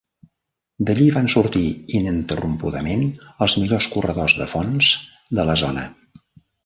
D'allí van sortir ininterrompudament els millor corredors de fons de la zona.